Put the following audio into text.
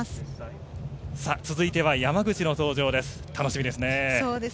続いては山口の登場です。